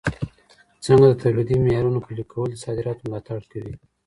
څنګه د تولیدي معیارونو پلي کول د صادراتو ملاتړ کوي؟